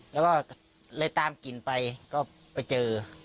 แล้วก็เลยตามกลิ่นไปก็ไปเจอ